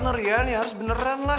bener ya ini harus beneran lah